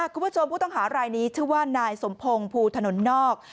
คุณผู้ชมผู้ต้องหารายนี้ชื่อว่านายสมพงศ์ภูถนนนอก